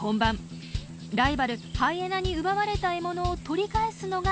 ライバルハイエナに奪われた獲物を取り返すのが課題です。